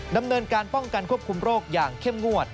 ดำเนินการป้องกันควบคุมโรคอย่างเข้มงวด